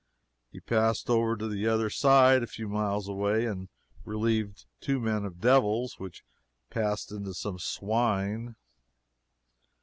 He passed over to the other side, a few miles away and relieved two men of devils, which passed into some swine.